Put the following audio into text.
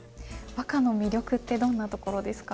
和歌の魅力ってどんなところですか？